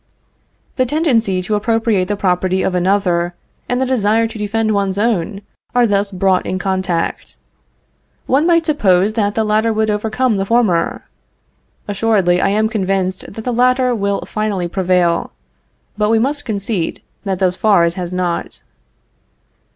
The tendency to appropriate the property of another, and the desire to defend one's own, are thus brought in contact. One might suppose that the latter would overcome the former. Assuredly I am convinced that the latter will finally prevail, but we must concede that thus far it has not.